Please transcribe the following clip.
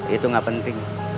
itu nggak penting